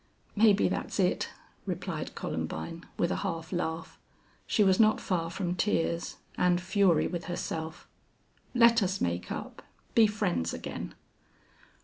"Maybe that's it," replied Columbine, with a half laugh. She was not far from tears and fury with herself. "Let us make up be friends again."